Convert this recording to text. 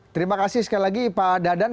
terima kasih sekali lagi pak dadan